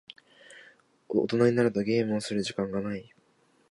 大人になるとゲームをする時間がない。